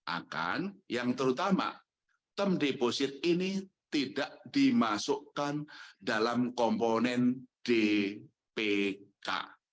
akan yang terutama term deposit ini tidak dimasukkan dalam komponen dpk